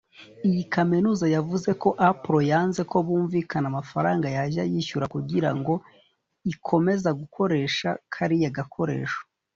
Iyi kaminuza yavuze ko Apple yanze ko bumvikana amafaranga yajya yishyura kugira ngo ikomeza gukoresha kariya gakoresho